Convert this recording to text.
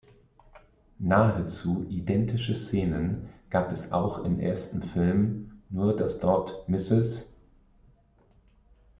Nahezu identische Szenen gab es auch im ersten Film, nur dass dort Mrs.